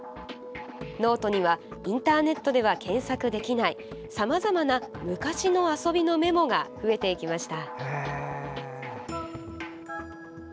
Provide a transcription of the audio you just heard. ノートにはインターネットでは検索できないさまざまな昔の遊びのメモが増えていきました。